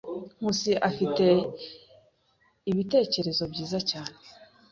Nkusi afite ibitekerezo byiza cyane.